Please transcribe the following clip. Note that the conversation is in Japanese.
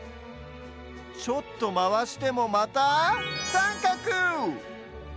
ちょっとまわしてもまたさんかく！